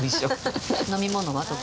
飲み物は？